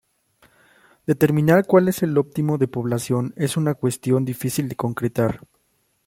Determinar cuál es el óptimo de población es una cuestión difícil de concretar.